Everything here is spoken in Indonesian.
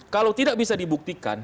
kalau tidak bisa dibuktikan